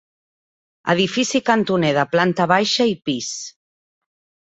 Edifici cantoner de planta baixa i pis.